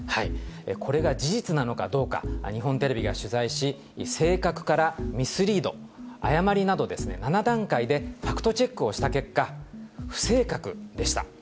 これが事実なのかどうか、日本テレビが取材し、正確からミスリード、誤りなど、７段階でファクトチェックをした結果、不正確でした。